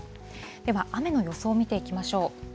では、雨の予想を見ていきましょう。